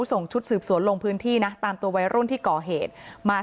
ส่งชุดสืบสวนลงพื้นที่นะตามตัววัยรุ่นที่ก่อเหตุมา